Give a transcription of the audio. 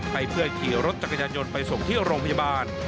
ให้เพื่อนขี่รถจักรยานยนต์ไปส่งที่โรงพยาบาล